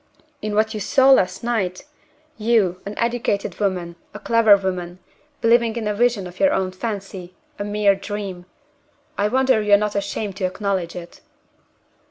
"In what you saw last night! You, an educated woman, a clever woman, believing in a vision of your own fancy a mere dream! I wonder you are not ashamed to acknowledge it!"